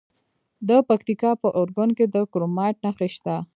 د پکتیکا په ارګون کې د کرومایټ نښې شته.